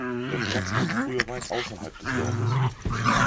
Der Platz lag früher weit ausserhalb des Dorfes.